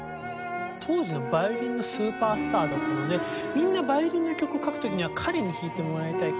当時のヴァイオリンのスーパースターだったのでみんなヴァイオリンの曲を書く時には彼に弾いてもらいたい。